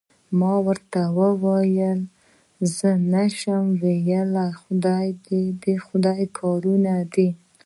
ما ورته وویل: زه څه نه شم ویلای، د خدای کارونه دي.